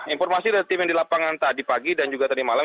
informasi dari tim yang di lapangan tadi pagi dan juga tadi malam